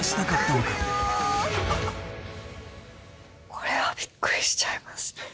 これはびっくりしちゃいますね。